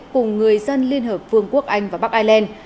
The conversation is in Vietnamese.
cùng người dân liên hợp vương quốc anh và bắc ireland